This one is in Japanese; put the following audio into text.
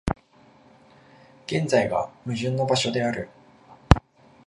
現在が矛盾の場所である。